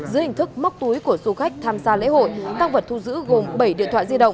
dưới hình thức móc túi của du khách tham gia lễ hội tăng vật thu giữ gồm bảy điện thoại di động